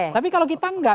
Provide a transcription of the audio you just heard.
tapi kalau kita enggak